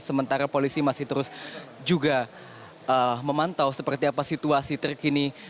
sementara polisi masih terus juga memantau seperti apa situasi terkini